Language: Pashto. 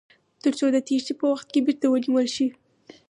تر څو د تیښتې په وخت کې بیرته ونیول شي.